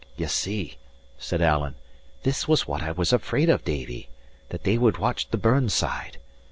"Ye see," said Alan, "this was what I was afraid of, Davie: that they would watch the burn side.